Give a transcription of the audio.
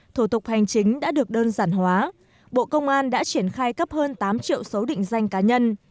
thủ tục hành chính đã được đơn giản hóa bộ công an đã triển khai cấp hơn tám triệu số định danh cá nhân